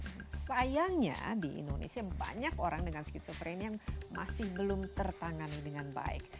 dan sayangnya di indonesia banyak orang dengan skizofrenia yang masih belum tertangani dengan baik